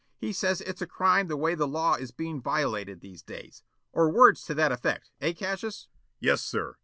He says it's a crime the way the law is being violated these days. Or words to that effect, eh, Cassius?" "Yes, sir.